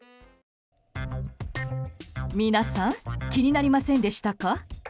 皆さん気になりませんでしたか？